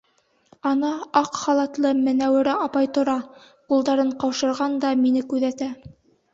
Ана, аҡ халатлы Менәүәрә апай тора, ҡулдарын ҡаушырған да мине күҙәтә.